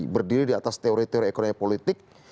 berdiri di atas teori teori ekonomi politik